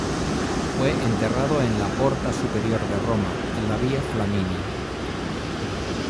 Fue enterrado en la Porta Superior de Roma, en la Via Flaminia.